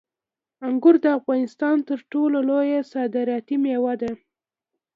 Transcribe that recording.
انګور د افغانستان تر ټولو لویه صادراتي میوه ده.